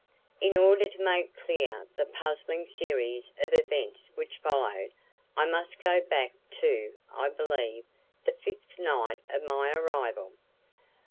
In order to make clear the puzzling series of events which followed, I must go back to, I believe, the fifth night of my arrival.